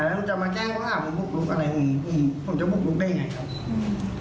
แล้วมันจะมาแกล้งว่าอ่าผมบุกบุกอะไรอืมอืมผมจะบุกบุกได้ไงครับ